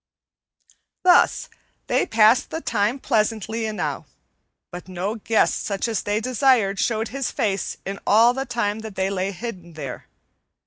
Thus they passed the time pleasantly enow, but no guest such as they desired showed his face in all the time that they lay hidden there.